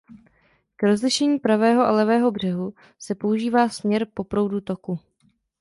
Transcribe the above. K rozlišení pravého a levého břehu se používá směr po proudu toku.